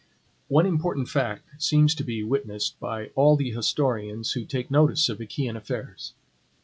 One important fact seems to be witnessed by all the historians who take notice of Achaean affairs.